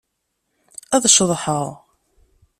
Ad ceḍḥeɣ.